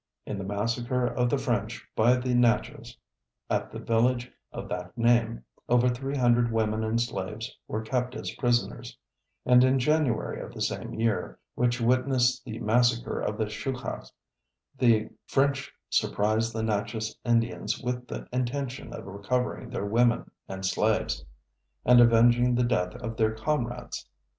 In the massacre of the French by the Natchez, at the village of that name, over three hundred women and slaves were kept as prisoners, and in January of the same year which witnessed the massacre of the Chouchas, the French surprised the Natchez Indians with the intention of recovering their women and slaves, and avenging the death of their comrades.